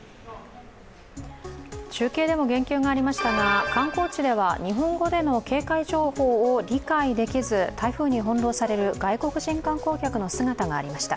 中継でも言及がありましたが観光地では日本語での警戒情報を理解できず、台風に翻弄される外国人観光客の姿がありました。